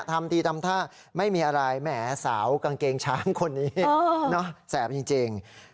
ทำตีทำท่าไม่มีอะไรแหมสาวกางเกงช้างคนนี้เออเนอะแสบจริงจริง